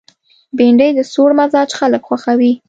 بېنډۍ د سوړ مزاج خلک خوښوي